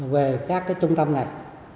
về các trung tâm này